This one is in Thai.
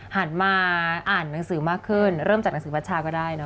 หันมาอ่านหนังสือมากขึ้นเริ่มจากหนังสือบัชชาก็ได้เนอ